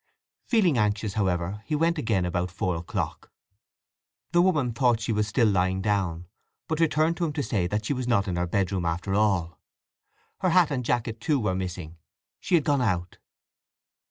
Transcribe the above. Feeling anxious, however, he went again about four o'clock. The woman thought she was still lying down, but returned to him to say that she was not in her bedroom after all. Her hat and jacket, too, were missing: she had gone out.